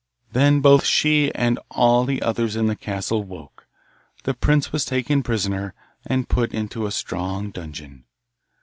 Then both she and all the others in the castle woke; the prince was taken prisoner, and put into a strong dungeon.